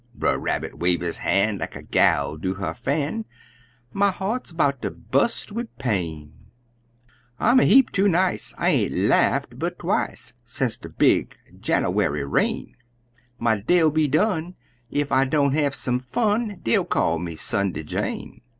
Brer Rabbit wave his han' like a gal do her fan "My heart's 'bout ter bust wid pain; "I'm a heap too nice, I ain't laugh'd but twice Sence de big Jinawary rain; My day'll be done ef I don't have some fun Dey'll call me Sunday Jane!